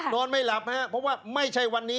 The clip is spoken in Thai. นอนไม่หลับฮะเพราะว่าไม่ใช่วันนี้